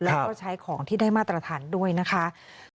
แล้วก็ใช้ของที่ได้มาตรฐานด้วยนะคะ